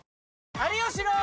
有吉の！